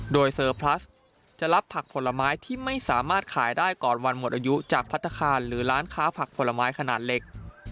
โดยเซอร์พลัสจะรับผักผลไม้ที่ไม่สามารถขายได้ก่อนวันหมดอายุจากพัฒนาคารหรือร้านค้าผักผลไม้ขนาดเล็ก